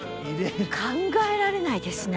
考えられないですね